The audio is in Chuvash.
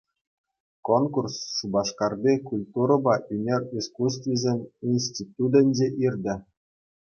Конкурс Шупашкарти культурӑпа ӳнер искусствисен институтӗнче иртӗ.